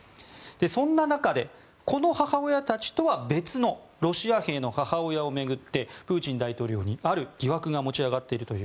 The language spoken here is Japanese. そんな中で、この母親たちとは別のロシア兵の母親を巡ってプーチン大統領にある疑惑が持ち上がっています。